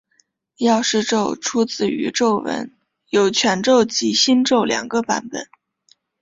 药师咒出自于咒文有全咒及心咒两个版本。